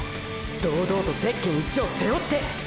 堂々とゼッケン１を背負って！！